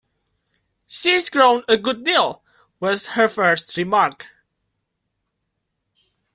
‘She’s grown a good deal!’ was her first remark.